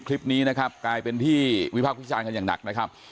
คลิปนี้กลายเป็นที่วิพาคกิจชาญกันนักนะครับ